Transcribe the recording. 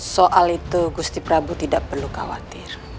soal itu gusti prabu tidak perlu khawatir